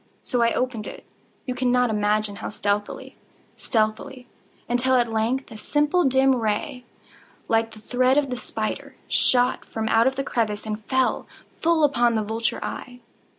So I opened it—you cannot imagine how stealthily, stealthily—until, at length a simple dim ray, like the thread of the spider, shot from out the crevice and fell full upon the vulture eye.